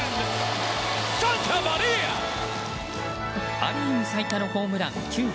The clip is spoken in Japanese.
ア・リーグ最多のホームラン９本。